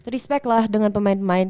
respect lah dengan pemain pemain